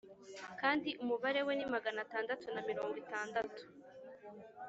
kandi umubare we ni magana atandatu na mirongo itandatu